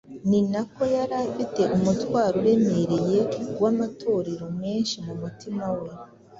ni nako yari afite umutwaro uremereye w’amatorero menshi mu mutima we.